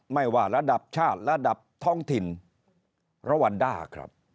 ไม่ว่าระดับชาติระดับท้องถิ่นระวันด้าครับ